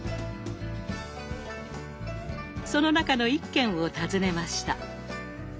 その中の一軒を訪ねました。